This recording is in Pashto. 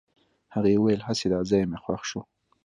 هغې وويل هسې دا ځای مې خوښ شو.